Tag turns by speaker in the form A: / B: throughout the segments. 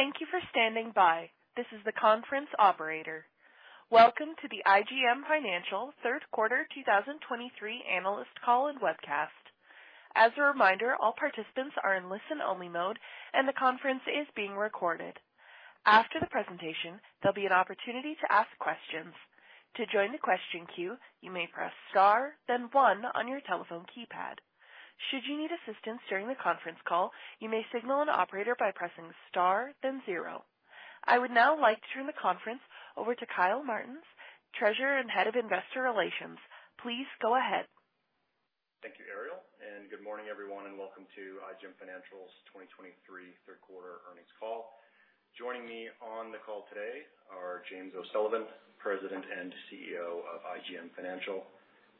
A: Thank you for standing by. This is the conference operator. Welcome to the IGM Financial third quarter 2023 analyst call and webcast. As a reminder, all participants are in listen-only mode, and the conference is being recorded. After the presentation, there'll be an opportunity to ask questions. To join the question queue, you may press star, then one on your telephone keypad. Should you need assistance during the conference call, you may signal an operator by pressing star, then zero. I would now like to turn the conference over to Kyle Martens, Treasurer and Head of Investor Relations. Please go ahead.
B: Thank you, Ariel, and good morning everyone, and welcome to IGM Financial's 2023 third quarter earnings call. Joining me on the call today are James O'Sullivan, President and CEO of IGM Financial;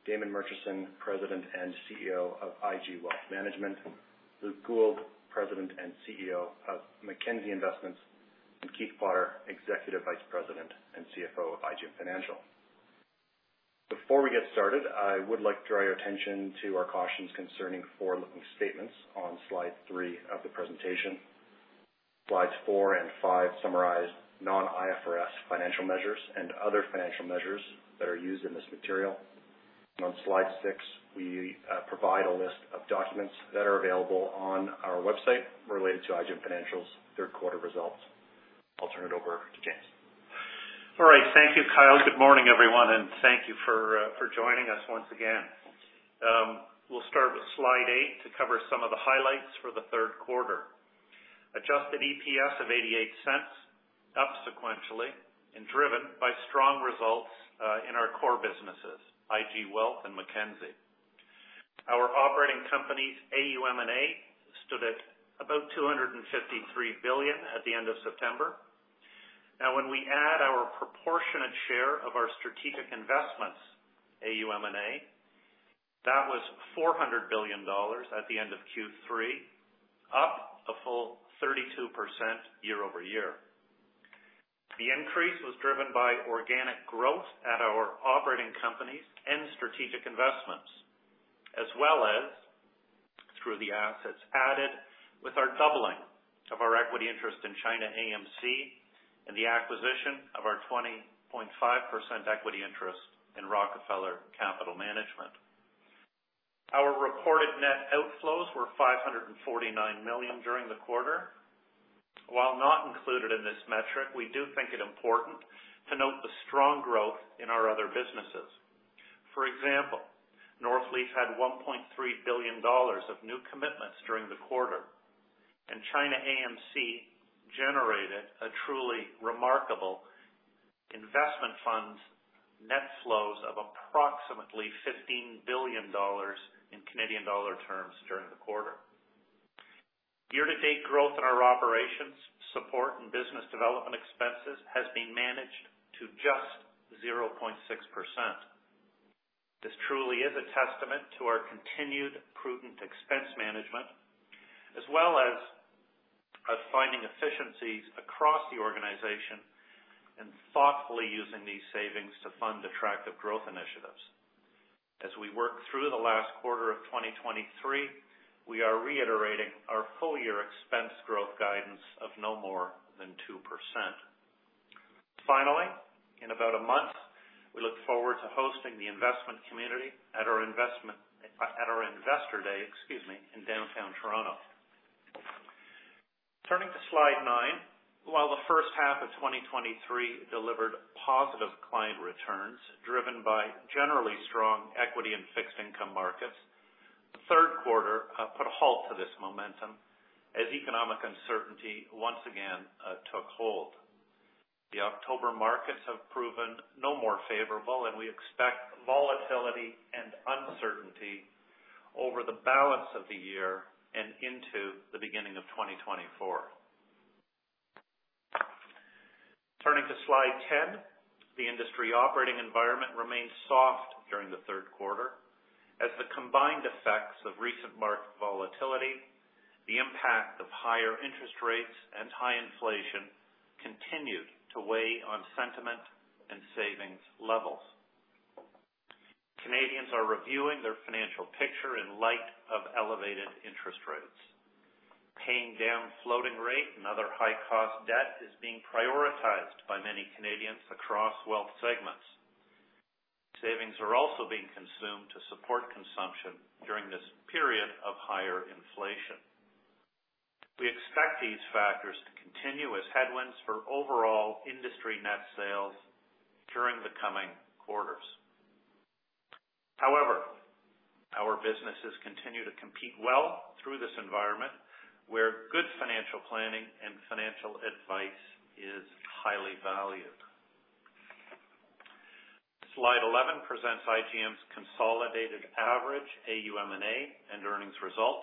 B: Damon Murchison, President and CEO of IG Wealth Management; Luke Gould, President and CEO of Mackenzie Investments; and Keith Potter, Executive Vice President and CFO of IGM Financial. Before we get started, I would like to draw your attention to our cautions concerning forward-looking statements on Slide 3 of the presentation. Slides 4 and 5 summarize non-IFRS financial measures and other financial measures that are used in this material. On Slide 6, we provide a list of documents that are available on our website related to IGM Financial's third quarter results. I'll turn it over to James.
C: All right. Thank you, Kyle. Good morning, everyone, and thank you for joining us once again. We'll start with Slide 8 to cover some of the highlights for the third quarter. Adjusted EPS of 0.88, up sequentially and driven by strong results in our core businesses, IG Wealth and Mackenzie. Our operating companies AUM&A stood at about 253 billion at the end of September. Now, when we add our proportionate share of our strategic investments AUM&A, that was 400 billion dollars at the end of Q3, up a full 32% year-over-year. The increase was driven by organic growth at our operating companies and strategic investments, as well as through the assets added with our doubling of our equity interest in ChinaAMC and the acquisition of our 20.5% equity interest in Rockefeller Capital Management. Our reported net outflows were 549 million during the quarter. While not included in this metric, we do think it important to note the strong growth in our other businesses. For example, Northleaf had 1.3 billion dollars of new commitments during the quarter, and ChinaAMC generated a truly remarkable investment fund's net flows of approximately 15 billion dollars in Canadian dollar terms during the quarter. Year-to-date growth in our operations, support, and business development expenses has been managed to just 0.6%. This truly is a testament to our continued prudent expense management, as well as of finding efficiencies across the organization and thoughtfully using these savings to fund attractive growth initiatives. As we work through the last quarter of 2023, we are reiterating our full year expense growth guidance of no more than 2%. Finally, in about a month, we look forward to hosting the investment community at our Investor Day, excuse me, in Downtown Toronto. Turning to Slide 9. While the first half of 2023 delivered positive client returns, driven by generally strong equity in fixed income markets, the third quarter put a halt to this momentum as economic uncertainty once again took hold. The October markets have proven no more favorable, and we expect volatility and uncertainty over the balance of the year and into the beginning of 2024. Turning to Slide 10, the industry operating environment remained soft during the third quarter. As the combined effects of recent market volatility, the impact of higher interest rates and high inflation continued to weigh on sentiment and savings levels. Canadians are reviewing their financial picture in light of elevated interest rates. Paying down floating rate and other high-cost debt is being prioritized by many Canadians across wealth segments. Savings are also being consumed to support consumption during this period of higher inflation. We expect these factors to continue as headwinds for overall industry net sales during the coming quarters. However, our businesses continue to compete well through this environment, where good financial planning and financial advice is highly valued. Slide 11 presents IGM's consolidated average AUM&A and earnings results,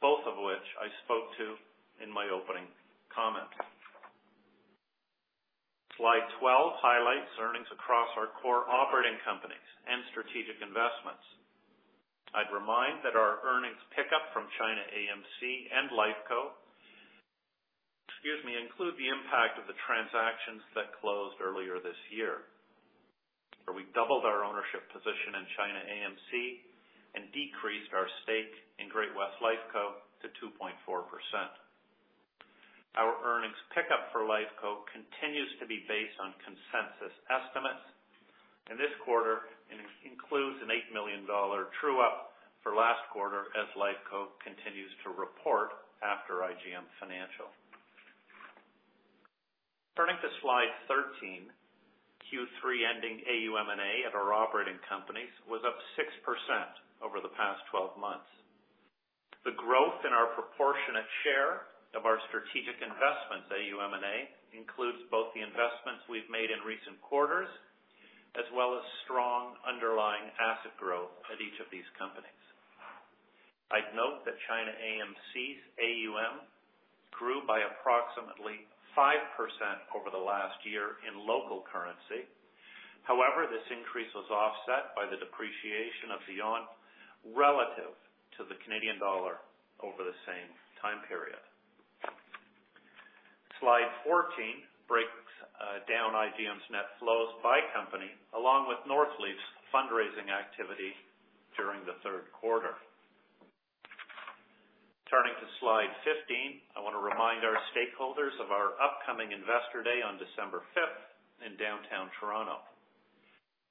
C: both of which I spoke to in my opening comment. Slide 12 highlights earnings across our core operating companies and strategic investments. I'd remind that our earnings pickup from ChinaAMC and Lifeco include the impact of the transactions that closed earlier this year, where we doubled our ownership position in ChinaAMC and decreased our stake in Great-West Lifeco to 2.4%. Our earnings pickup for Lifeco continues to be based on consensus estimates, and this quarter includes a 8 million dollar true up for last quarter as Lifeco continues to report after IGM Financial. Turning to Slide 13, Q3 ending AUM&A at our operating companies was up 6% over the past 12 months. The growth in our proportionate share of our strategic investments, AUM&A, includes both the investments we've made in recent quarters, as well as strong underlying asset growth at each of these companies. I'd note that ChinaAMC's AUM grew by approximately 5% over the last year in local currency. However, this increase was offset by the depreciation of the yuan relative to the Canadian dollar over the same time period. Slide 14 breaks down IGM's net flows by company, along with Northleaf's fundraising activity during the third quarter. Turning to Slide 15, I want to remind our stakeholders of our upcoming Investor Day on December 5th in Downtown Toronto.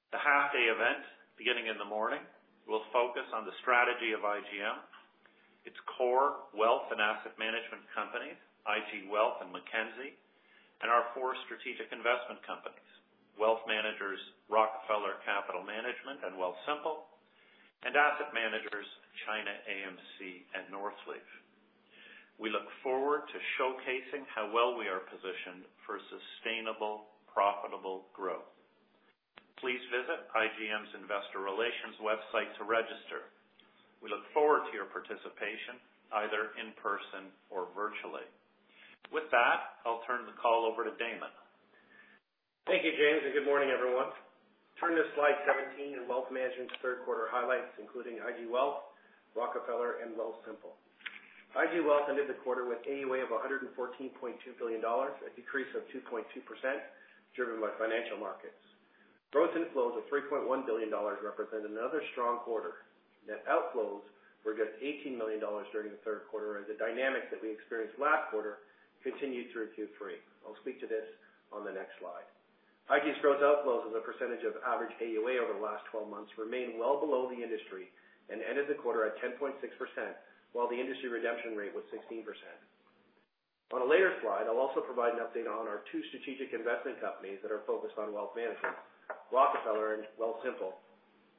C: The half-day event, beginning in the morning, will focus on the strategy of IGM, its core wealth and asset management companies, IG Wealth and Mackenzie, and our four strategic investment companies, wealth managers, Rockefeller Capital Management, and Wealthsimple, and asset managers, ChinaAMC and Northleaf. We look forward to showcasing how well we are positioned for sustainable, profitable growth. Please visit IGM's Investor Relations website to register. We look forward to your participation, either in person or virtually. With that, I'll turn the call over to Damon.
D: Thank you, James, and good morning, everyone. Turn to Slide 17 in Wealth Management's third quarter highlights, including IG Wealth, Rockefeller, and Wealthsimple. IG Wealth ended the quarter with AUA of 114.2 billion dollars, a decrease of 2.2%, driven by financial markets. Gross inflows of 3.1 billion dollars represent another strong quarter, net outflows were just 18 million dollars during the third quarter, as the dynamics that we experienced last quarter continued through Q3. I'll speak to this on the next slide. IG's gross outflows as a percentage of average AUA over the last 12 months remain well below the industry and ended the quarter at 10.6%, while the industry redemption rate was 16%. On a later slide, I'll also provide an update on our two strategic investment companies that are focused on wealth management, Rockefeller and Wealthsimple.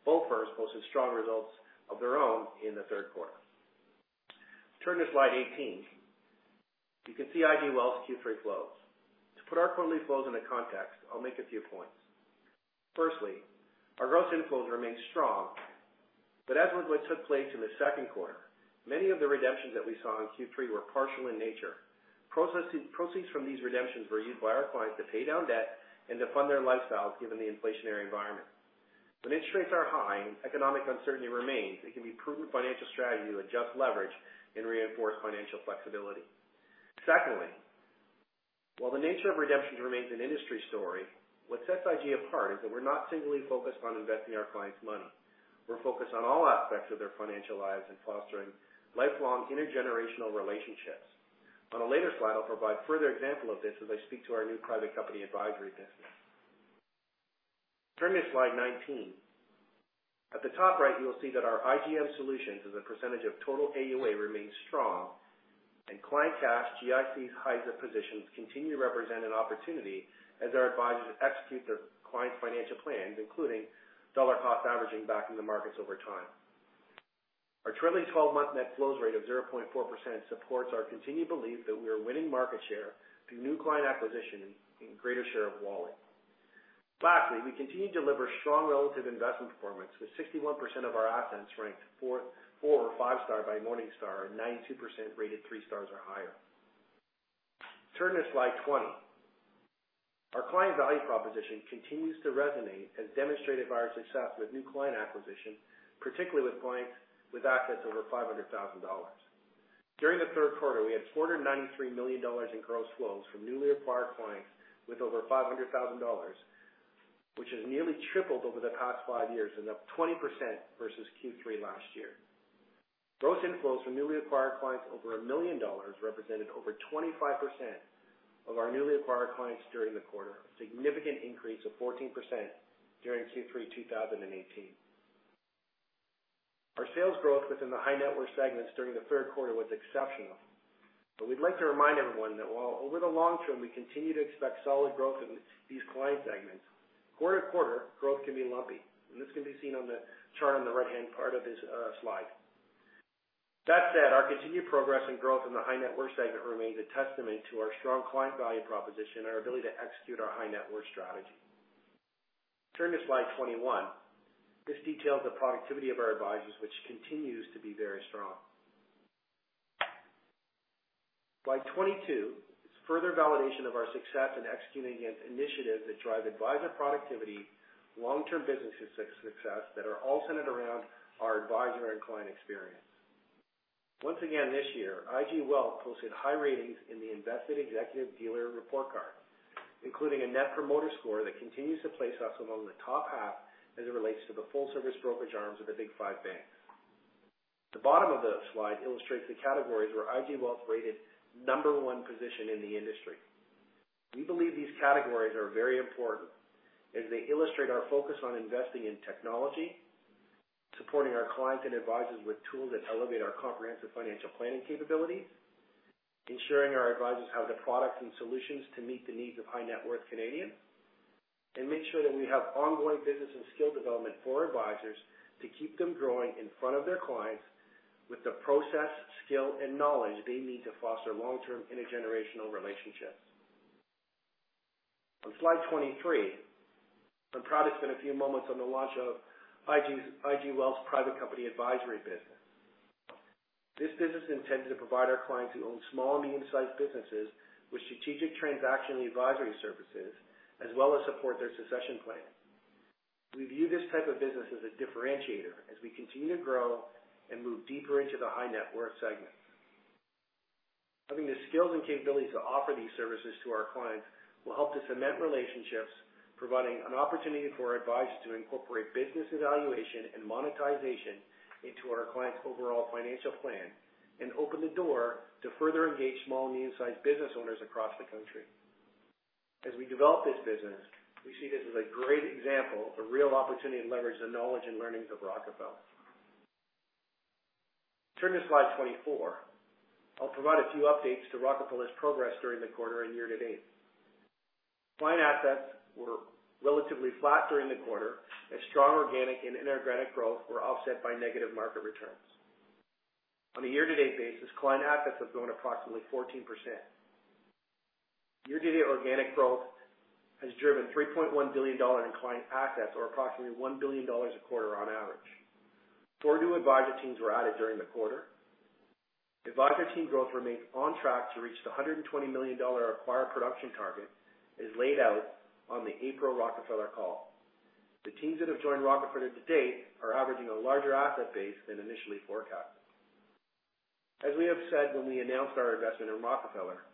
D: Both firms posted strong results of their own in the third quarter. Turn to Slide 18. You can see IG Wealth's Q3 flows. To put our quarterly flows into context, I'll make a few points. Firstly, our gross inflows remain strong, but as with what took place in the second quarter, many of the redemptions that we saw in Q3 were partial in nature. Proceeds from these redemptions were used by our clients to pay down debt and to fund their lifestyles, given the inflationary environment. When interest rates are high and economic uncertainty remains, it can be proven financial strategy to adjust leverage and reinforce financial flexibility. Secondly, while the nature of redemptions remains an industry story, what sets IG apart is that we're not singularly focused on investing our clients' money. We're focused on all aspects of their financial lives and fostering lifelong intergenerational relationships. On a later slide, I'll provide further example of this as I speak to our new private company advisory business. Turning to Slide 19. At the top right, you will see that our IGM Solutions as a percentage of total AUA remains strong, and client cash, GIC, HISA positions continue to represent an opportunity as our advisors execute their clients' financial plans, including dollar-cost averaging back in the markets over time. Our trailing 12-month net flows rate of 0.4% supports our continued belief that we are winning market share through new client acquisition and greater share of wallet. Lastly, we continue to deliver strong relative investment performance, with 61% of our assets ranked 4-star or 5-star by Morningstar, and 92% rated 3 stars or higher. Turning to Slide 20. Our client value proposition continues to resonate, as demonstrated by our success with new client acquisition, particularly with clients with assets over 500,000 dollars. During the third quarter, we had 493 million dollars in gross flows from newly acquired clients with over 500,000 dollars, which has nearly tripled over the past five years and up 20% versus Q3 last year. Gross inflows from newly acquired clients over 1 million dollars represented over 25% of our newly acquired clients during the quarter, a significant increase of 14% during Q3 2018. Our sales growth within the high-net-worth segments during the third quarter was exceptional. But we'd like to remind everyone that while over the long term, we continue to expect solid growth in these client segments, quarter to quarter growth can be lumpy, and this can be seen on the chart on the right-hand part of this, slide. That said, our continued progress and growth in the high-net-worth segment remains a testament to our strong client value proposition and our ability to execute our high-net-worth strategy. Turn to Slide 21. This details the productivity of our advisors, which continues to be very strong. Slide 22 is further validation of our success in executing initiatives that drive advisor productivity, long-term business success, that are all centered around our advisor and client experience. Once again this year, IG Wealth posted high ratings in the Investment Executive Dealer Report Card, including a Net Promoter Score that continues to place us among the top half as it relates to the full service brokerage arms of the Big Five banks. The bottom of the slide illustrates the categories where IG Wealth rated number one position in the industry. We believe these categories are very important as they illustrate our focus on investing in technology, supporting our clients and advisors with tools that elevate our comprehensive financial planning capabilities, ensuring our advisors have the products and solutions to meet the needs of high net worth Canadians, and make sure that we have ongoing business and skill development for advisors to keep them growing in front of their clients with the process, skill, and knowledge they need to foster long-term intergenerational relationships. On Slide 23, I'm proud to spend a few moments on the launch of IG's, IG Wealth's Private Company Advisory business. This business is intended to provide our clients who own small and medium-sized businesses with strategic transaction advisory services, as well as support their succession planning. We view this type of business as a differentiator as we continue to grow and move deeper into the high net worth segment. Having the skills and capabilities to offer these services to our clients will help us cement relationships, providing an opportunity for our advisors to incorporate business evaluation and monetization into our clients' overall financial plan, and open the door to further engage small and medium-sized business owners across the country. As we develop this business, we see this as a great example of a real opportunity to leverage the knowledge and learnings of Rockefeller. Turn to Slide 24. I'll provide a few updates to Rockefeller's progress during the quarter and year-to-date. Client assets were relatively flat during the quarter, as strong organic and inorganic growth were offset by negative market returns. On a year-to-date basis, client assets have grown approximately 14%. Year-to-date organic growth has driven $3.1 billion in client assets, or approximately $1 billion a quarter on average. Four new advisor teams were added during the quarter. Advisor team growth remains on track to reach the $120 million acquired production target, as laid out on the April Rockefeller call. The teams that have joined Rockefeller to date are averaging a larger asset base than initially forecast. As we have said when we announced our investment in Rockefeller,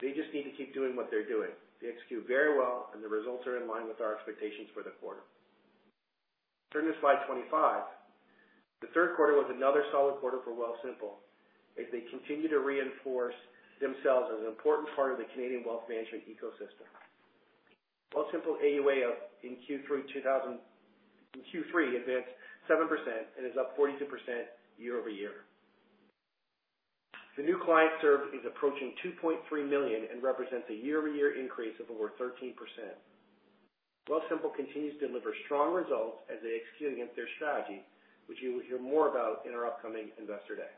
D: they just need to keep doing what they're doing. They execute very well, and the results are in line with our expectations for the quarter. Turning to Slide 25. The third quarter was another solid quarter for Wealthsimple, as they continue to reinforce themselves as an important part of the Canadian wealth management ecosystem. Wealthsimple AUA in Q3 advanced 7% and is up 42% year-over-year. The new clients served is approaching 2.3 million and represents a year-over-year increase of over 13%. Wealthsimple continues to deliver strong results as they execute against their strategy, which you will hear more about in our upcoming Investor Day.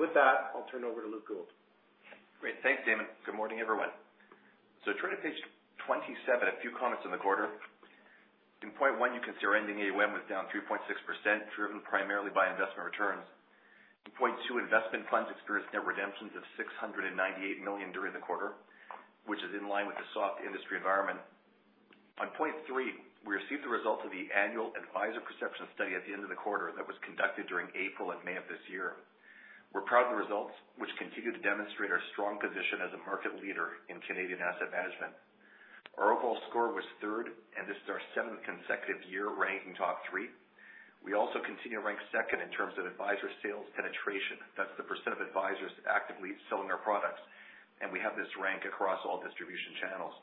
D: With that, I'll turn it over to Luke Gould.
E: Great. Thanks, Damon. Good morning, everyone. So turning to Page 27, a few comments on the quarter. In point one, you can see our ending AUM was down 3.6%, driven primarily by investment returns. In Point 2, investment funds experienced net redemptions of 698 million during the quarter, which is in line with the soft industry environment. On Point 3, we received the results of the annual Advisor Perception Study at the end of the quarter that was conducted during April and May of this year. We're proud of the results, which continue to demonstrate our strong position as a market leader in Canadian asset management. Our overall score was third, and this is our seventh consecutive year ranking Top 3. We also continue to rank second in terms of advisor sales penetration. That's the percent of advisors actively selling our products, and we have this rank across all distribution channels.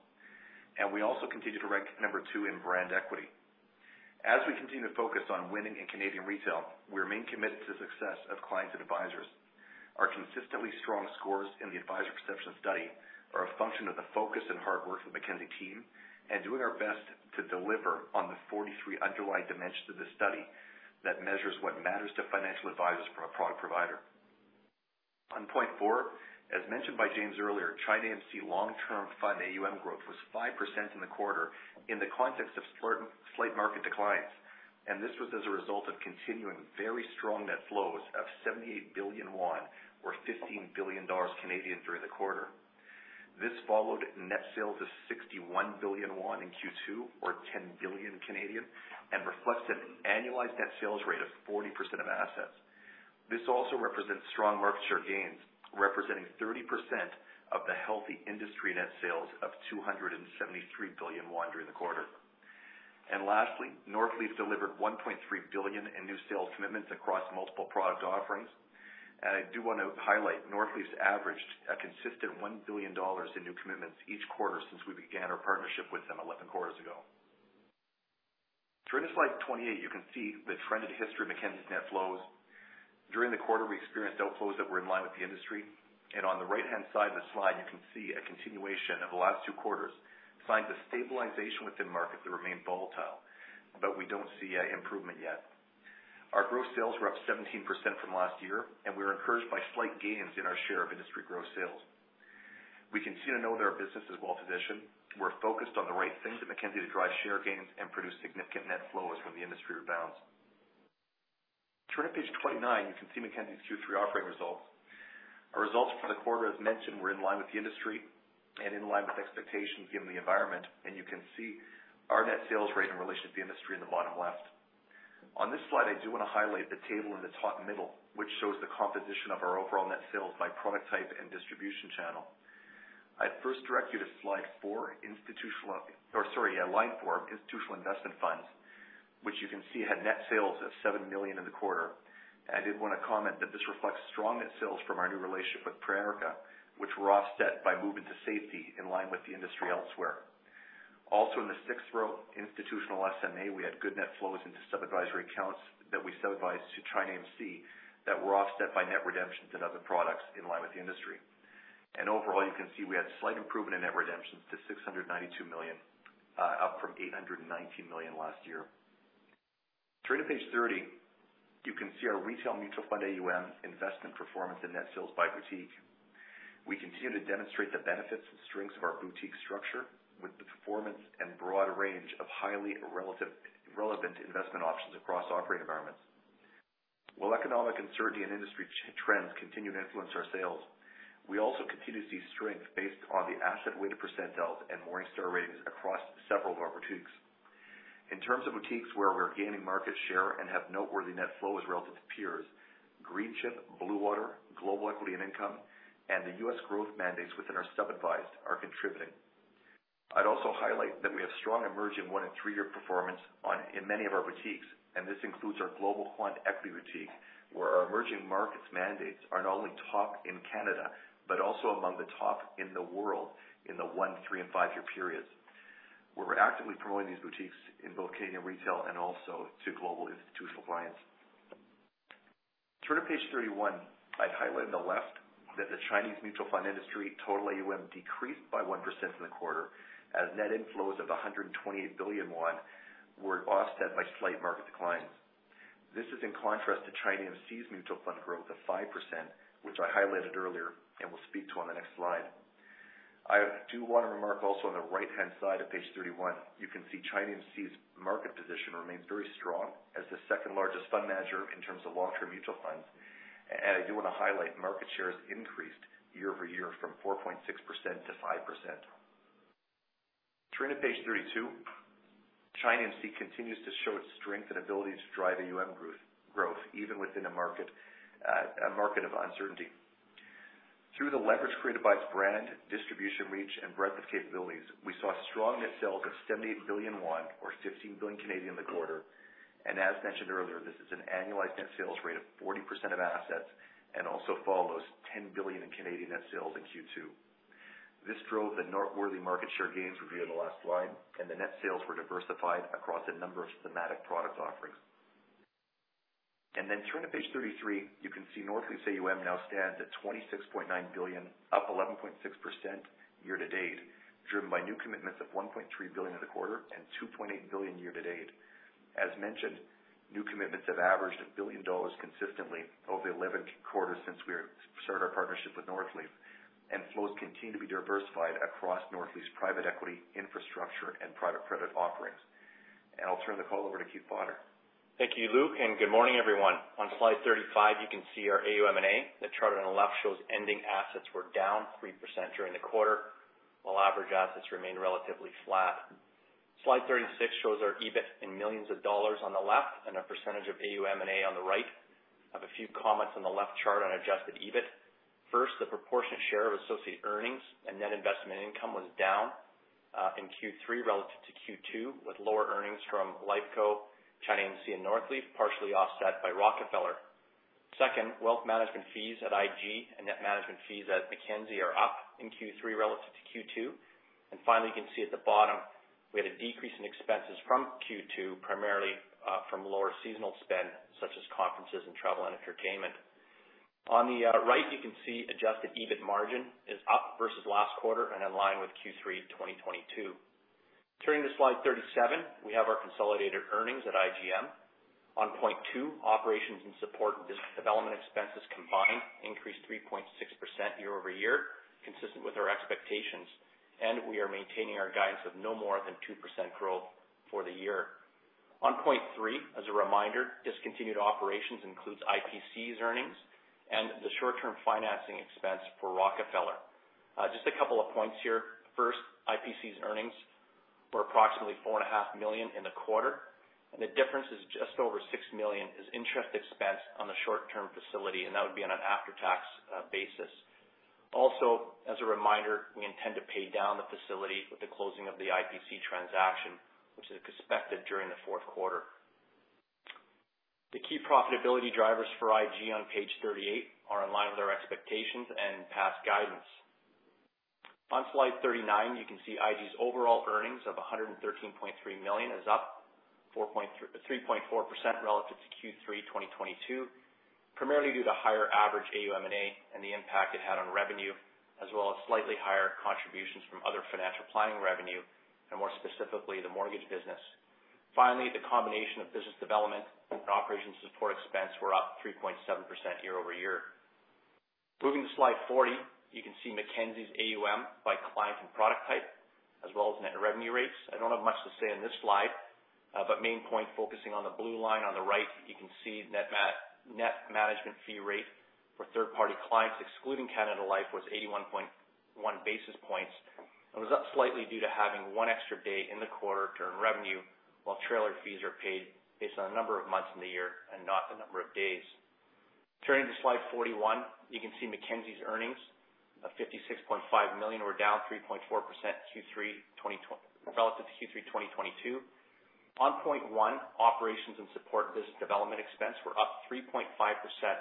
E: We also continue to rank number 2 in brand equity. As we continue to focus on winning in Canadian retail, we remain committed to the success of clients and advisors. Our consistently strong scores in the Advisor Perception Study are a function of the focus and hard work of the Mackenzie team and doing our best to deliver on the 43 underlying dimensions of this study that measures what matters to financial advisors from a product provider. On Point 4, as mentioned by James earlier, ChinaAMC long-term fund AUM growth was 5% in the quarter in the context of slight market declines, and this was as a result of continuing very strong net flows of RMB 78 billion, or 15 billion Canadian dollars, during the quarter. This followed net sales of RMB 61 billion in Q2, or 10 billion, and reflects an annualized net sales rate of 40% of assets. This also represents strong market share gains, representing 30% of the healthy industry net sales of RMB 273 billion during the quarter. And lastly, Northleaf delivered 1.3 billion in new sales commitments across multiple product offerings. And I do want to highlight, Northleaf's averaged a consistent 1 billion dollars in new commitments each quarter since we began our partnership with them 11 quarters ago. Turning to Slide 28, you can see the trended history of Mackenzie's net flows. During the quarter, we experienced outflows that were in line with the industry, and on the right-hand side of the slide, you can see a continuation of the last two quarters, signs of stabilization within markets that remain volatile, but we don't see an improvement yet. Our growth sales were up 17% from last year, and we are encouraged by slight gains in our share of industry growth sales. We continue to know that our business is well positioned. We're focused on the right things at Mackenzie to drive share gains and produce significant net flows when the industry rebounds. Turning to page 29, you can see Mackenzie's Q3 operating results. Our results for the quarter, as mentioned, were in line with the industry and in line with expectations, given the environment, and you can see our net sales rate in relation to the industry in the bottom left. On this slide, I do want to highlight the table in the top middle, which shows the composition of our overall net sales by product type and distribution channel. I'd first direct you to Slide 4, institutional, or sorry, line 4, institutional investment funds, which you can see had net sales of 7 million in the quarter. I did want to comment that this reflects strong net sales from our new relationship with Primerica, which were offset by move into safety in line with the industry elsewhere. Also in the sixth row, Institutional SMA, we had good net flows into sub-advisory accounts that we sub-advised to ChinaAMC, that were offset by net redemptions in other products in line with the industry. Overall, you can see we had slight improvement in net redemptions to 692 million, up from 819 million last year. Turning to Page 30, you can see our retail mutual fund AUM investment performance and net sales by boutique. We continue to demonstrate the benefits and strengths of our boutique structure with the performance and broad range of highly relevant investment options across operating environments. While economic uncertainty and industry trends continue to influence our sales, we also continue to see strength based on the asset weight of percentiles and Morningstar ratings across several of our boutiques. In terms of boutiques, where we're gaining market share and have noteworthy net flows relative to peers, Greenchip, Bluewater, Global Equity & Income, and the U.S. growth mandates within our sub-advised are contributing. I'd also highlight that we have strong emerging one and three-year performance on, in many of our boutiques, and this includes our Global Quant Equity, where our emerging markets mandates are not only top in Canada, but also among the top in the world in the one, three, and five-year periods. We're actively promoting these boutiques in both Canadian retail and also to global institutional clients. Turn to Page 31. I'd highlight on the left that the Chinese mutual fund industry, total AUM, decreased by 1% in the quarter, as net inflows of RMB 128 billion were offset by slight market declines. This is in contrast to ChinaAMC's mutual fund growth of 5%, which I highlighted earlier and will speak to on the next slide. I do want to remark also on the right-hand side of Page 31, you can see ChinaAMC's market position remains very strong as the second largest fund manager in terms of long-term mutual funds. And I do want to highlight, market shares increased year-over-year from 4.6% to 5%. Turning to Page 32, ChinaAMC continues to show its strength and ability to drive AUM growth, growth even within a market, a market of uncertainty. Through the leverage created by its brand, distribution reach, and breadth of capabilities, we saw strong net sales of RMB 78 billion, or 16 billion, in the quarter. And as mentioned earlier, this is an annualized net sales rate of 40% of assets and also follows 10 billion in Canadian net sales in Q2. This drove the noteworthy market share gains reviewed on the last slide, and the net sales were diversified across a number of thematic product offerings. Then turning to Page 33, you can see Northleaf's AUM now stands at 26.9 billion, up 11.6% year-to-date, driven by new commitments of 1.3 billion in the quarter and 2.8 billion year-to-date. As mentioned, new commitments have averaged 1 billion dollars consistently over the 11 quarters since we started our partnership with Northleaf, and flows continue to be diversified across Northleaf's private equity, infrastructure, and private credit offerings. I'll turn the call over to Keith Potter.
F: Thank you, Luke, and good morning, everyone. On Slide 35, you can see our AUM&A. The chart on the left shows ending assets were down 3% during the quarter, while average assets remained relatively flat. Slide 36 shows our EBIT in millions dollars on the left and a percentage of AUM&A on the right. I have a few comments on the left chart on adjusted EBIT. First, the proportionate share of associate earnings and net investment income was down in Q3 relative to Q2, with lower earnings from Lifeco, ChinaAMC, and Northleaf, partially offset by Rockefeller. Second, wealth management fees at IG and net management fees at Mackenzie are up in Q3 relative to Q2. And finally, you can see at the bottom, we had a decrease in expenses from Q2, primarily from lower seasonal spend, such as conferences and travel and entertainment. On the right, you can see adjusted EBIT margin is up versus last quarter and in line with Q3 2022. Turning to Slide 37, we have our consolidated earnings at IGM. On Point 2, operations and support and business development expenses combined increased 3.6% year-over-year, consistent with our expectations, and we are maintaining our guidance of no more than 2% growth for the year. On Point 3, as a reminder, discontinued operations includes IPC's earnings and the short-term financing expense for Rockefeller. Just a couple of points here. First, IPC's earnings were approximately $4.5 million in the quarter, and the difference is just over $6 million, is interest expense on the short-term facility, and that would be on an after-tax basis. Also, as a reminder, we intend to pay down the facility with the closing of the IPC transaction, which is expected during the fourth quarter. The key profitability drivers for IG on page 38 are in line with our expectations and past guidance. On Slide 39, you can see IG's overall earnings of 113.3 million is up 3.4% relative to Q3 2022, primarily due to the higher average AUM&A and the impact it had on revenue, as well as slightly higher contributions from other financial planning revenue and more specifically, the mortgage business. Finally, the combination of business development and operations support expense were up 3.7% year-over-year. Moving to Slide 40, you can see Mackenzie's AUM by client and product type, as well as net revenue rates. I don't have much to say on this slide. But main point, focusing on the blue line on the right, you can see net management fee rate for third-party clients, excluding Canada Life, was 81.1 basis points, and was up slightly due to having one extra day in the quarter to earn revenue, while trailer fees are paid based on the number of months in the year and not the number of days. Turning to Slide 41, you can see Mackenzie's earnings of 56.5 million, were down 3.4% Q3 2023 relative to Q3 2022. On Point 1, operations and support business development expense were up 3.5%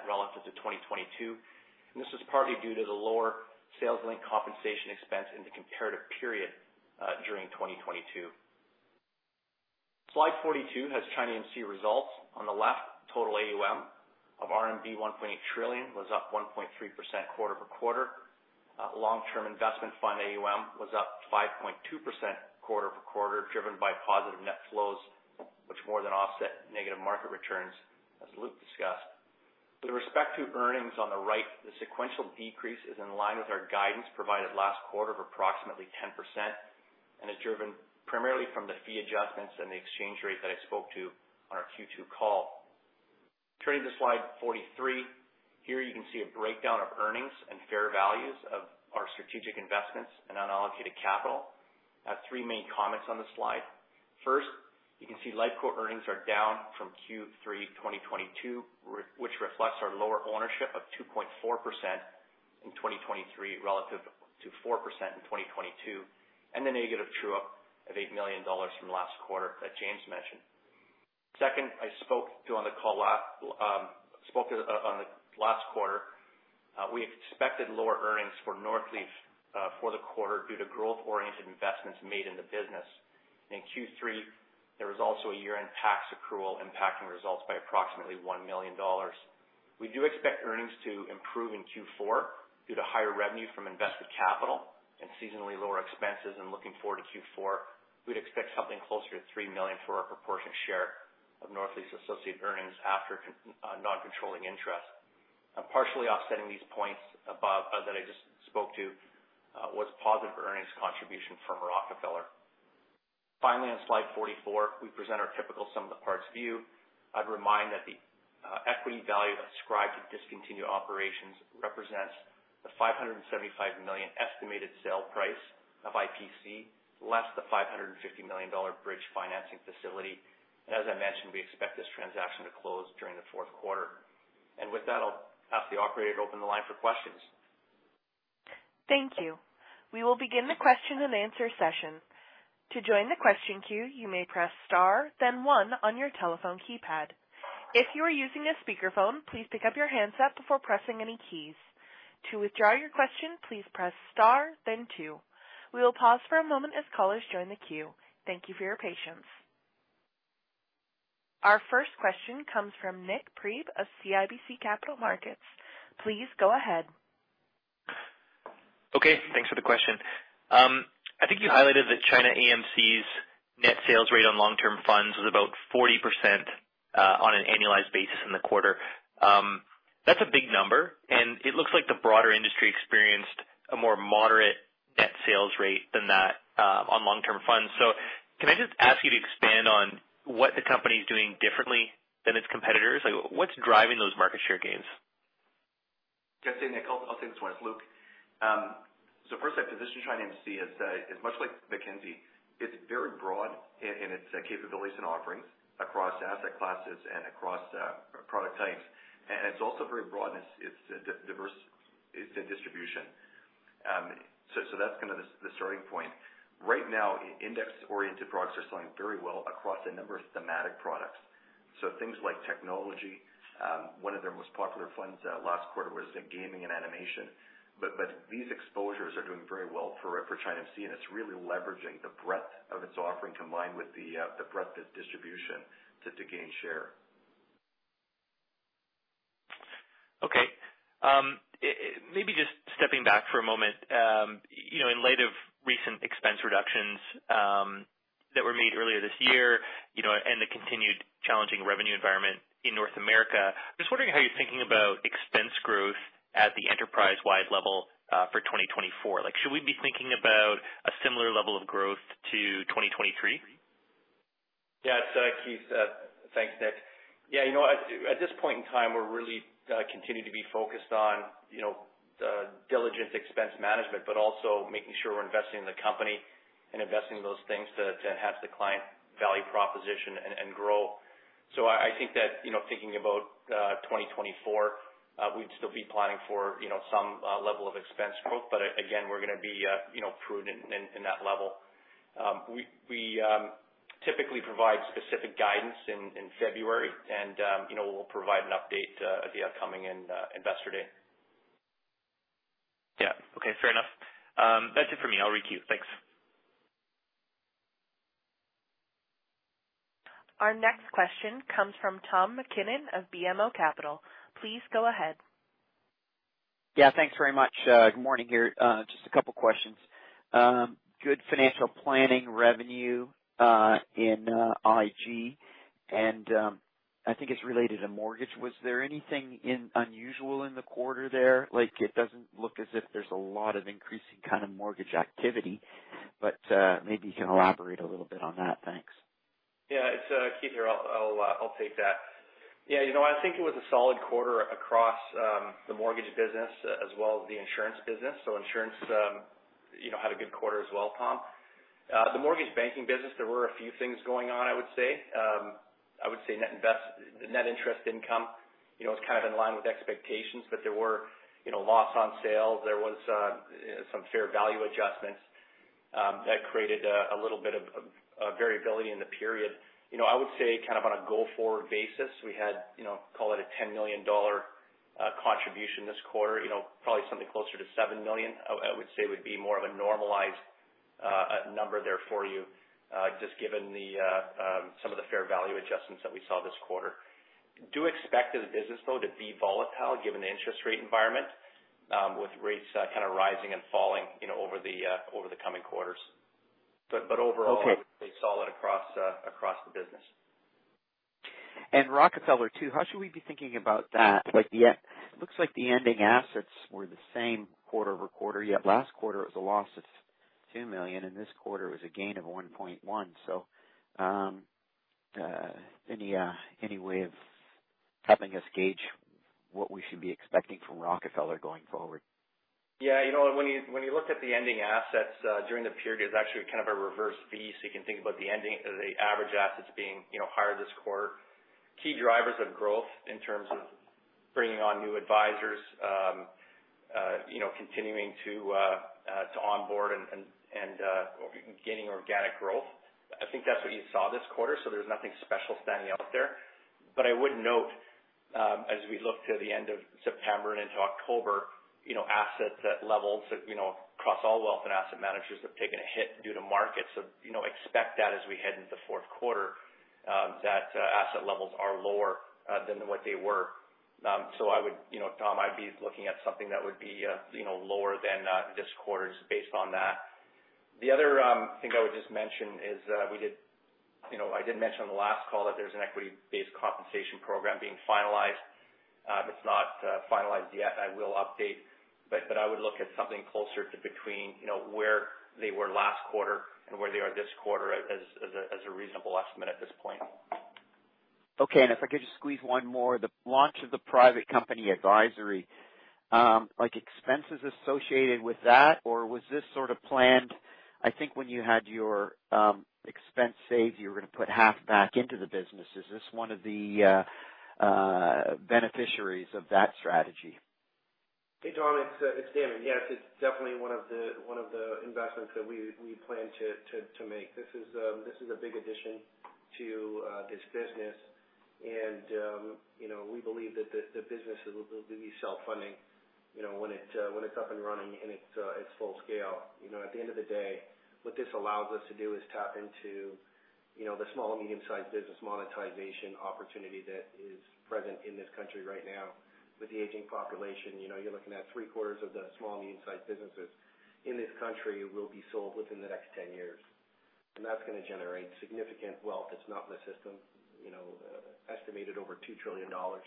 F: relative to 2022, and this is partly due to the lower sales-linked compensation expense in the comparative period, during 2022. Slide 42 has ChinaAMC results. On the left, total AUM of RMB 1.8 trillion was up 1.3% quarter-over-quarter. Long-term investment fund AUM was up 5.2% quarter-over-quarter, driven by positive net flows, which more than offset negative market returns, as Luke discussed. With respect to earnings on the right, the sequential decrease is in line with our guidance provided last quarter of approximately 10% and is driven primarily from the fee adjustments and the exchange rate that I spoke to on our Q2 call. Turning to slide 43, here you can see a breakdown of earnings and fair values of our strategic investments and unallocated capital. I have three main comments on this slide. First, you can see Lifeco earnings are down from Q3 2022, which reflects our lower ownership of 2.4% in 2023 relative to 4% in 2022, and the negative true up of 8 million dollars from last quarter that James mentioned. Second, I spoke to on the call last, spoke on the last quarter, we expected lower earnings for Northleaf, for the quarter due to growth-oriented investments made in the business. In Q3, there was also a year-end tax accrual impacting results by approximately 1 million dollars. We do expect earnings to improve in Q4 due to higher revenue from invested capital and seasonally lower expenses, and looking forward to Q4, we'd expect something closer to 3 million for our proportionate share of Northleaf's associate earnings after non-controlling interest. Now, partially offsetting these points above, that I just spoke to, was positive earnings contribution from Rockefeller. Finally, on Slide 44, we present our typical sum-of-the-parts view. I'd remind that the, equity value ascribed to discontinued operations represents the 575 million estimated sale price of IPC, less the 550 million dollar bridge financing facility. As I mentioned, we expect this transaction to close during the fourth quarter. And with that, I'll ask the operator to open the line for questions.
A: Thank you. We will begin the question-and-answer session. To join the question queue, you may press star then one on your telephone keypad. If you are using a speakerphone, please pick up your handset before pressing any keys. To withdraw your question, please press star then two. We will pause for a moment as callers join the queue. Thank you for your patience. Our first question comes from Nik Priebe of CIBC Capital Markets. Please go ahead.
G: Okay, thanks for the question. I think you highlighted that ChinaAMC's net sales rate on long-term funds was about 40%, on an annualized basis in the quarter. That's a big number, and it looks like the broader industry experienced a more moderate net sales rate than that, on long-term funds. So can I just ask you to expand on what the company is doing differently than its competitors? Like, what's driving those market share gains?
E: Yes, Nik, I'll take this one. It's Luke. So first, I'd position ChinaAMC as much like Mackenzie. It's very broad in its capabilities and offerings across asset classes and across product types. And it's also very broad in its diverse distribution. So that's kind of the starting point. Right now, index-oriented products are selling very well across a number of thematic products. So things like technology, one of their most popular funds last quarter was in gaming and animation. But these exposures are doing very well for ChinaAMC, and it's really leveraging the breadth of its offering, combined with the breadth of distribution to gain share.
G: Okay. Maybe just stepping back for a moment, you know, in light of recent expense reductions that were made earlier this year, you know, and the continued challenging revenue environment in North America, just wondering how you're thinking about expense growth at the enterprise-wide level for 2024. Like, should we be thinking about a similar level of growth to 2023?
F: Yeah, it's Keith. Thanks, Nik. Yeah, you know, at this point in time, we're really continue to be focused on, you know, diligent expense management, but also making sure we're investing in the company and investing in those things to enhance the client value proposition and grow. So I think that, you know, thinking about 2024, we'd still be planning for, you know, some level of expense growth, but again, we're going to be, you know, prudent in that level. We typically provide specific guidance in February, and you know, we'll provide an update at the upcoming Investor Day.
G: Yeah. Okay. Fair enough. That's it for me. I'll requeue. Thanks.
A: Our next question comes from Tom MacKinnon of BMO Capital. Please go ahead.
H: Yeah, thanks very much. Good morning here. Just a couple questions. Good financial planning revenue in IG. I think it's related to mortgage. Was there anything unusual in the quarter there? Like, it doesn't look as if there's a lot of increasing kind of mortgage activity, but maybe you can elaborate a little bit on that. Thanks.
F: Yeah, it's Keith here. I'll take that. Yeah, you know, I think it was a solid quarter across the mortgage business as well as the insurance business. So insurance, you know, had a good quarter as well, Tom. The mortgage banking business, there were a few things going on, I would say. I would say net interest income, you know, is kind of in line with expectations. But there were, you know, loss on sales. There was some fair value adjustments that created a little bit of variability in the period. You know, I would say kind of on a go-forward basis, we had, you know, call it a 10 million dollar contribution this quarter. You know, probably something closer to 7 million, I, I would say would be more of a normalized number there for you, just given the some of the fair value adjustments that we saw this quarter. Do expect the business though, to be volatile, given the interest rate environment, with rates kind of rising and falling, you know, over the over the coming quarters. But, but overall-
H: Okay.
F: Pretty solid across the business.
H: Rockefeller, too. How should we be thinking about that? Like, the ending assets were the same quarter-over-quarter, yet last quarter it was a loss of $2 million, and this quarter it was a gain of $1.1 million. So, any way of helping us gauge what we should be expecting from Rockefeller going forward?
F: Yeah, you know, when you, when you look at the ending assets during the period, it's actually kind of a reverse V. So you can think about the ending, the average assets being, you know, higher this quarter. Key drivers of growth in terms of bringing on new advisors, you know, continuing to onboard and gaining organic growth. I think that's what you saw this quarter, so there's nothing special standing out there. But I would note, as we look to the end of September and into October, you know, asset levels, you know, across all wealth and asset managers have taken a hit due to markets. So, you know, expect that as we head into the fourth quarter, that asset levels are lower than what they were. So I would, you know, Tom, I'd be looking at something that would be, you know, lower than this quarter just based on that. The other thing I would just mention is, you know, I did mention on the last call that there's an equity-based compensation program being finalized. If it's not finalized yet, I will update. But I would look at something closer to between, you know, where they were last quarter and where they are this quarter as a reasonable estimate at this point.
H: Okay. If I could just squeeze one more. The launch of the Private Company Advisory, like expenses associated with that, or was this sort of planned? I think when you had your expense saved, you were going to put half back into the business. Is this one of the beneficiaries of that strategy?
D: Hey, Tom, it's Damon. Yes, it's definitely one of the investments that we plan to make. This is a big addition to this business. And, you know, we believe that the business will be self-funding, you know, when it's up and running, and it's full scale. You know, at the end of the day, what this allows us to do is tap into, you know, the small and medium-sized business monetization opportunity that is present in this country right now. With the aging population, you know, you're looking at three quarters of the small and medium-sized businesses in this country will be sold within the next 10 years, and that's going to generate significant wealth that's not in the system. You know, estimated over 2 trillion dollars.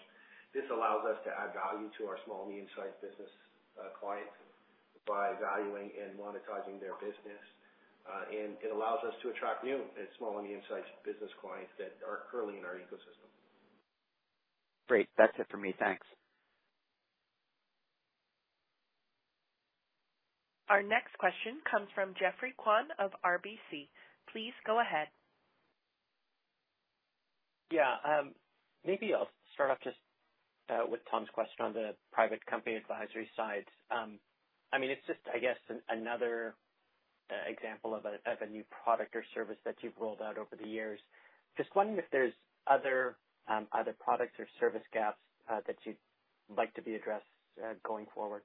D: This allows us to add value to our small and medium-sized business, clients by valuing and monetizing their business. And it allows us to attract new and small and medium-sized business clients that aren't currently in our ecosystem.
H: Great. That's it for me. Thanks.
A: Our next question comes from Geoffrey Kwan of RBC. Please go ahead.
I: Yeah, maybe I'll start off just with Tom's question on the Private Company Advisory side. I mean, it's just, I guess, another example of a new product or service that you've rolled out over the years. Just wondering if there's other products or service gaps that you'd like to be addressed going forward?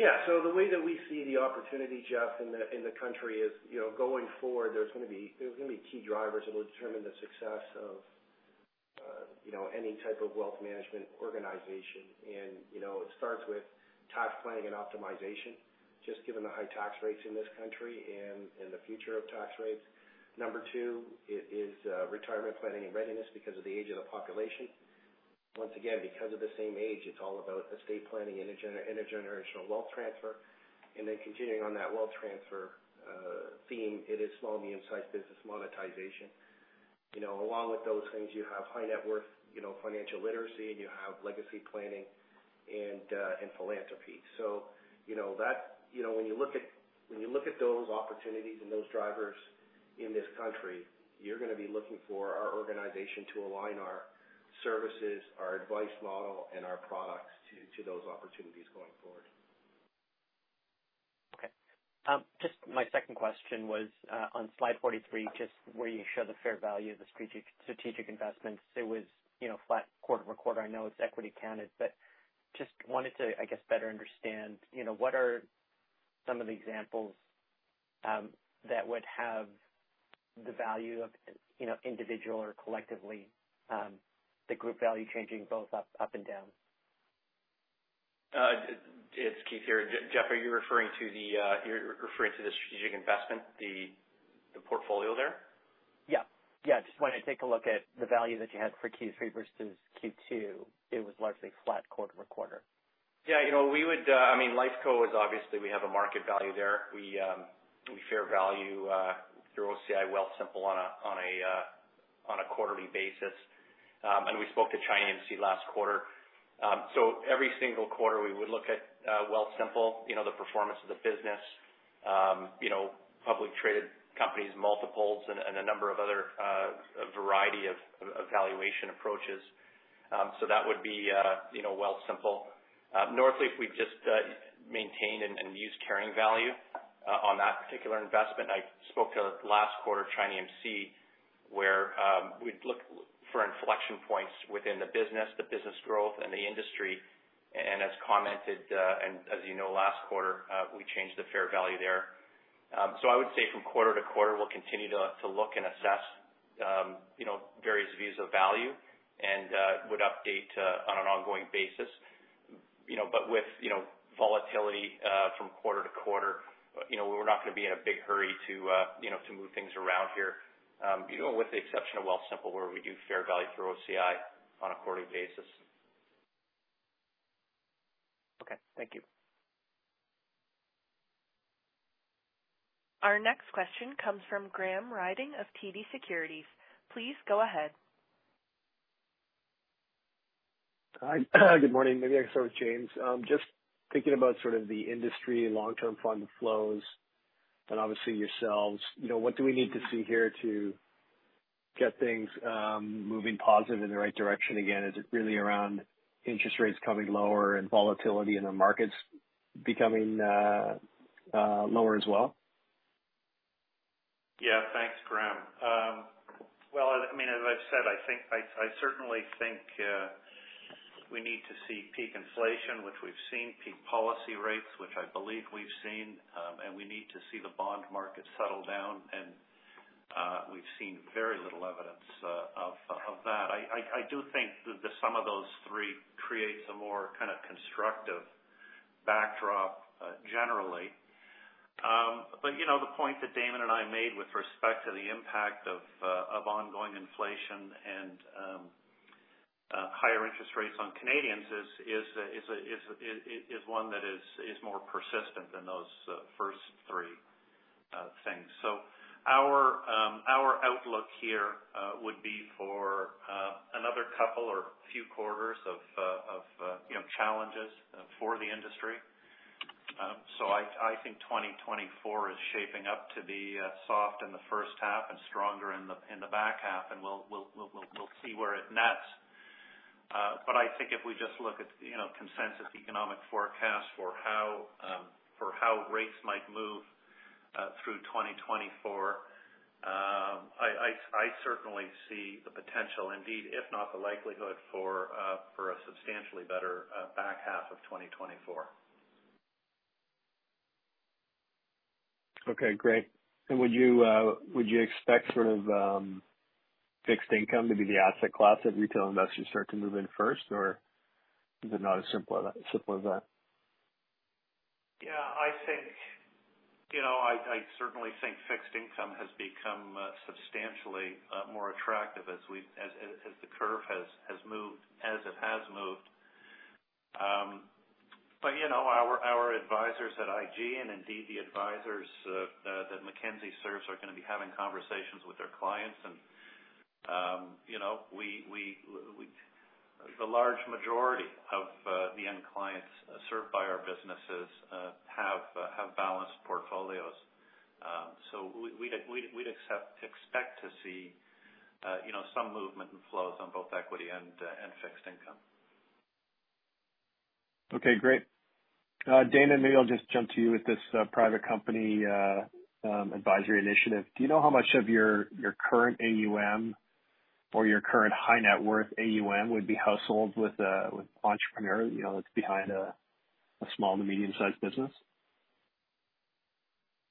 D: Yeah. So the way that we see the opportunity, Geoff, in the country is, you know, going forward, there's going to be key drivers that will determine the success of, you know, any type of wealth management organization. And, you know, it starts with tax planning and optimization, just given the high tax rates in this country and the future of tax rates. Number two is retirement planning and readiness, because of the age of the population. Once again, because of the same age, it's all about estate planning and intergenerational wealth transfer. And then continuing on that wealth transfer theme, it is small and medium-sized business monetization. You know, along with those things, you have high net worth, you know, financial literacy, and you have legacy planning and philanthropy. You know that, you know, when you look at, when you look at those opportunities and those drivers in this country, you're going to be looking for our organization to align our services, our advice model, and our products to, to those opportunities going forward.
I: Okay. Just my second question was on Slide 43, just where you show the fair value of the strategic, strategic investments. It was, you know, flat quarter-over-quarter. I know it's equity counted, but just wanted to, I guess, better understand, you know, what are some of the examples that would have the value of, you know, individual or collectively the group value changing both up, up and down?
F: It's Keith here. Geoffrey, are you referring to the, you're referring to the strategic investment, the, the portfolio there?
I: Yeah. Yeah, just when I take a look at the value that you had for Q3 versus Q2, it was largely flat quarter-over-quarter.
F: Yeah, you know, we would, I mean, Lifeco is obviously we have a market value there. We, we fair value through OCI Wealthsimple on a quarterly basis. And we spoke to ChinaAMC last quarter. So every single quarter, we would look at Wealthsimple, you know, the performance of the business, you know, publicly traded companies, multiples, and a number of other, a variety of valuation approaches. So that would be, you know, Wealthsimple. Northleaf, we just maintain and use carrying value on that particular investment. I spoke to last quarter ChinaAMC, where we'd look for inflection points within the business, the business growth and the industry. And as commented, and as you know, last quarter, we changed the fair value there. So I would say from quarter to quarter, we'll continue to look and assess, you know, various views of value and would update on an ongoing basis. You know, but with you know volatility from quarter to quarter, you know, we're not going to be in a big hurry to you know to move things around here. You know, with the exception of Wealthsimple, where we do fair value through OCI on a quarterly basis.
I: Okay, thank you.
A: Our next question comes from Graham Ryding of TD Securities. Please go ahead.
J: Hi, good morning. Maybe I can start with James. Just thinking about sort of the industry long-term fund flows and obviously yourselves, you know, what do we need to see here to get things moving positive in the right direction again? Is it really around interest rates coming lower and volatility in the markets becoming lower as well?
C: Yeah, thanks, Graham. Well, I mean, as I've said, I think I certainly think we need to see peak inflation, which we've seen, peak policy rates, which I believe we've seen, and we need to see the bond market settle down, and we've seen very little evidence of that. I do think that the sum of those three creates a more kind of constructive backdrop, generally. But you know, the point that Damon and I made with respect to the impact of ongoing inflation and higher interest rates on Canadians is one that is more persistent than those first three things. So our outlook here would be for another couple or few quarters of you know challenges for the industry. So I think 2024 is shaping up to be soft in the first half and stronger in the back half, and we'll see where it nets. But I think if we just look at you know consensus economic forecast for how rates might move through 2024, I certainly see the potential, indeed, if not the likelihood for a substantially better back half of 2024.
J: Okay, great. Would you expect sort of fixed income to be the asset class that retail investors start to move in first? Or is it not as simple as that?
C: Yeah, I think, you know, I certainly think fixed income has become substantially more attractive as the curve has moved, as it has moved. But, you know, our advisors at IG, and indeed, the advisors that Mackenzie serves, are going to be having conversations with their clients. And, you know, the large majority of the end clients served by our businesses have balanced portfolios. So we'd expect to see, you know, some movement and flows on both equity and fixed income.
J: Okay, great. Damon, maybe I'll just jump to you with this, Private Company Advisory initiative. Do you know how much of your, your current AUM or your current high net worth AUM would be households with, with entrepreneur, you know, that's behind a, a small to medium-sized business?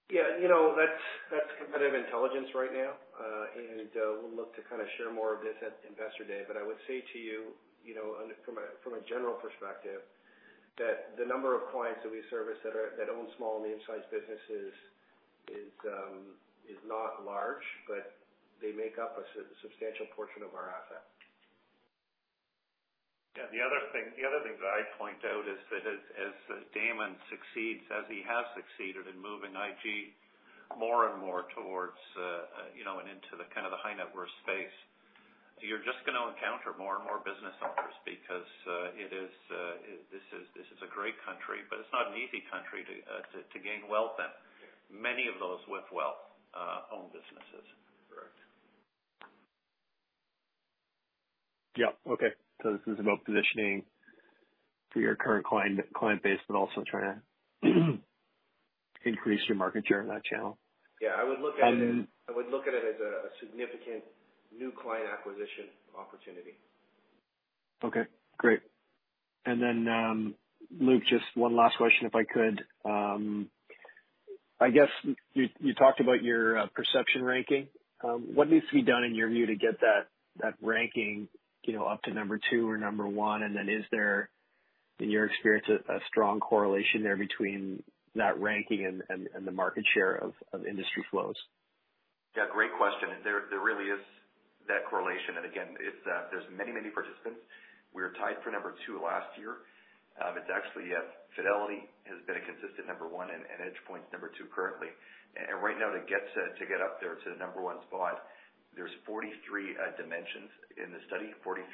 D: Yeah, you know, that's competitive intelligence right now. We'll look to kind of share more of this at Investor Day. But I would say to you, you know, from a general perspective, that the number of clients that we service that own small and medium-sized businesses is not large, but they make up a substantial portion of our assets.
C: Yeah, the other thing, the other thing that I'd point out is that as Damon succeeds, as he has succeeded in moving IG more and more towards, you know, and into the kind of the high net worth space, you're just going to encounter more and more business owners because it is, this is, this is a great country, but it's not an easy country to gain wealth in. Many of those with wealth own businesses.
F: Correct.
J: Yeah. Okay. So this is about positioning for your current client, client base, but also trying to increase your market share in that channel?
D: Yeah, I would look at it- I would look at it as a significant new client acquisition opportunity.
J: Okay, great. And then, Luke, just one last question, if I could. I guess you talked about your perception ranking. What needs to be done in your view to get that ranking, you know, up to number 2 or number 1? And then is there, in your experience, a strong correlation there between that ranking and the market share of industry flows?
E: Yeah, great question. There really is that correlation. And again, it's, there's many, many participants. We were tied for number 2 last year. It's actually, Fidelity has been a consistent number 1 and EdgePoint's number 2 currently. And right now, to get, to get up there to the number 1 spot, there's 43 dimensions in the study, 43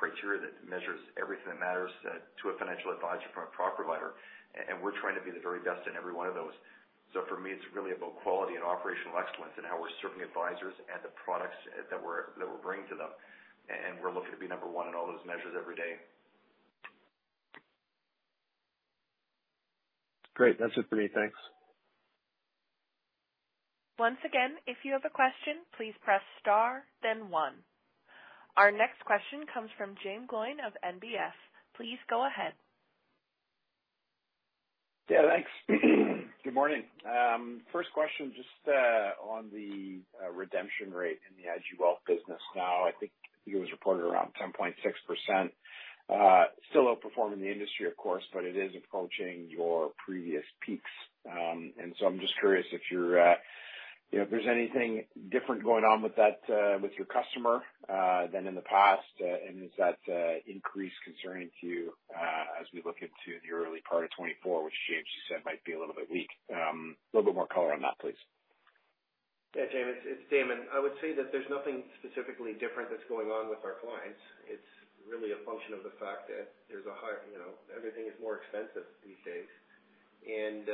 E: criteria that measures everything that matters to a financial advisor from a product provider. And we're trying to be the very best in every one of those. So for me, it's really about quality and operational excellence and how we're serving advisors and the products that we're, that we're bringing to them. And we're looking to be number 1 in all those measures every day.
J: Great. That's it for me. Thanks.
A: Once again, if you have a question, please press star, then one. Our next question comes from Jaeme Gloyn of NBF. Please go ahead.
K: Yeah, thanks. Good morning. First question, just, on the redemption rate in the IG Wealth business. Now, I think it was reported around 10.6%. Still outperforming the industry, of course, but it is approaching your previous peaks. And so I'm just curious if you're, you know, if there's anything different going on with that, with your customer, than in the past, and is that increase concerning to you, as we look into the early part of 2024, which James just said might be a little bit weak? A little bit more color on that, please.
D: Yeah, James, it's Damon. I would say that there's nothing specifically different that's going on with our clients. It's really a function of the fact that there's a higher, you know, everything is more expensive these days, and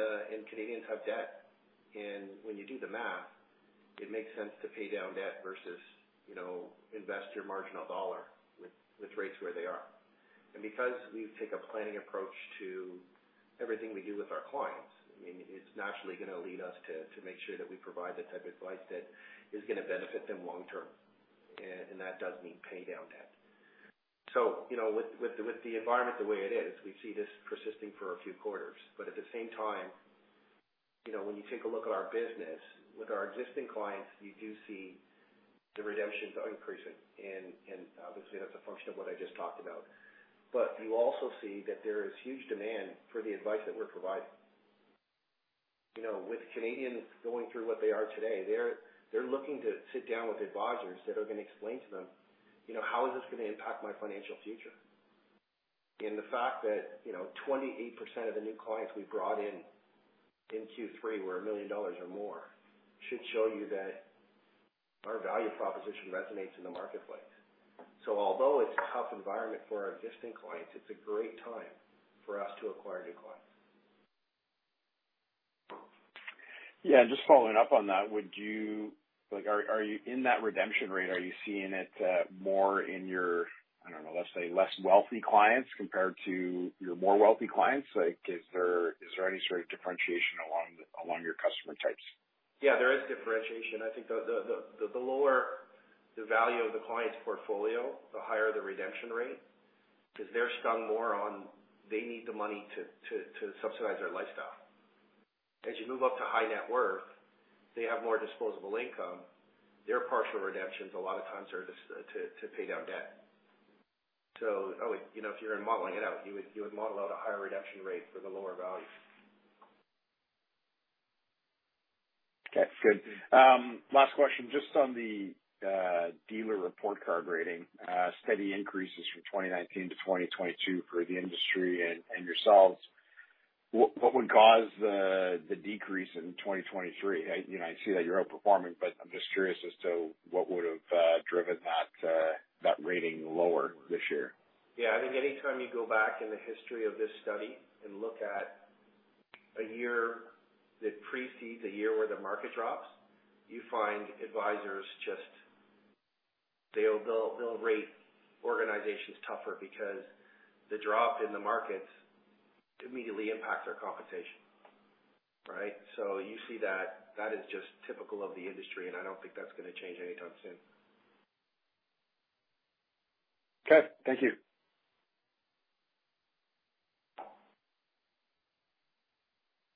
D: Canadians have debt. And when you do the math, it makes sense to pay down debt versus, you know, invest your marginal dollar with rates where they are. And because we take a planning approach to everything we do with our clients, I mean, it's naturally going to lead us to make sure that we provide the type of advice that is going to benefit them long term, and that does mean pay down debt. So, you know, with the environment the way it is, we see this persisting for a few quarters. But at the same time, you know, when you take a look at our business, with our existing clients, you do see the redemptions are increasing, and obviously that's a function of what I just talked about. But you also see that there is huge demand for the advice that we're providing. You know, with Canadians going through what they are today, they're looking to sit down with advisors that are going to explain to them, you know, "How is this going to impact my financial future?" And the fact that, you know, 28% of the new clients we brought in in Q3 were 1 million dollars or more, should show you that our value proposition resonates in the marketplace. So although it's a tough environment for our existing clients, it's a great time for us to acquire new clients.
K: Yeah, just following up on that, would you—like, are, are you in that redemption rate, are you seeing it more in your, I don't know, let's say, less wealthy clients compared to your more wealthy clients? Like, is there, is there any sort of differentiation along, along your customer types?
D: Yeah, there is differentiation. I think the lower the value of the client's portfolio, the higher the redemption rate, because they're stung more on they need the money to subsidize their lifestyle. As you move up to high net worth, they have more disposable income. Their partial redemptions, a lot of times, are just to pay down debt. So, oh, you know, if you're modeling it out, you would model out a higher redemption rate for the lower value.
K: Okay, good. Last question. Just on the Dealer Report Card rating, steady increases from 2019-2022 for the industry and yourselves. What would cause the decrease in 2023? You know, I see that you're outperforming, but I'm just curious as to what would have driven that rating lower this year.
D: Yeah, I think anytime you go back in the history of this study and look at a year that precedes a year where the market drops, you find advisors just... They'll rate organizations tougher because the drop in the markets immediately impacts their compensation, right? So you see that. That is just typical of the industry, and I don't think that's going to change anytime soon.
K: Okay, thank you.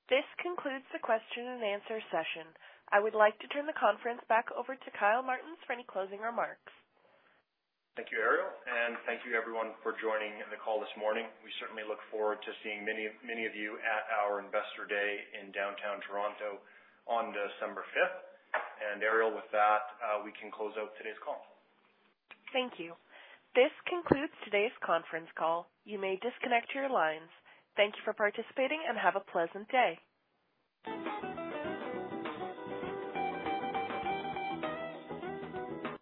A: This concludes the question and answer session. I would like to turn the conference back over to Kyle Martens for any closing remarks.
B: Thank you, Ariel, and thank you everyone for joining the call this morning. We certainly look forward to seeing many, many of you at our Investor Day in Downtown Toronto on December 5th. Ariel, with that, we can close out today's call.
A: Thank you. This concludes today's conference call. You may disconnect your lines. Thank you for participating and have a pleasant day.